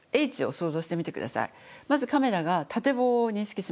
まずカメラが縦棒を認識します。